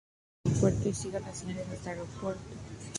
Salir Sambuceto-Aeropuerto y siga las señales hasta el aeropuerto.